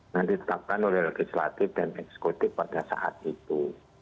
nanti tetapkan oleh legislatif dan eksekutif pada saat itu